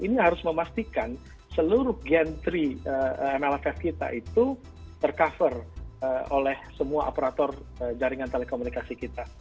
ini harus memastikan seluruh gentry llf kita itu tercover oleh semua operator jaringan telekomunikasi kita